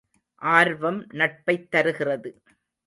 ஆர்வம் நட்பைத் தருகிறது.